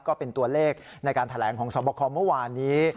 ก็เป็นตัวเลขในการแถลงของสวบคอเมื่อวานนี้